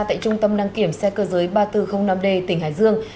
tại trung tâm đăng kiểm xe cơ giới ba nghìn bốn trăm linh năm d tỉnh hải dương